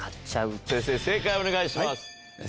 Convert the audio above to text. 先生正解お願いします。